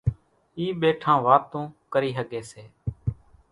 اِي ٻيٺان واتون ڪري ۿڳي سي۔